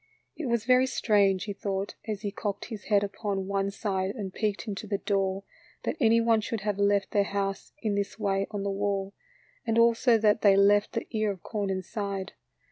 It was very strange, he thought, as he cocked his head upon one side and peeked into the door, that any one should have left their house in this way on the wall, and also that they left the ear of corn inside.